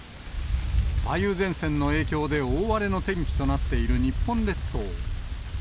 梅雨前線の影響で大荒れの天気となっている日本列島。